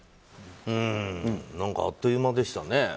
何かあっという間でしたね